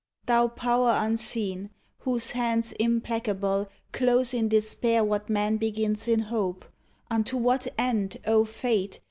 Thou Power unseen whose hands implacable Close in despair what man begins in hope, — Unto what end, O Fate!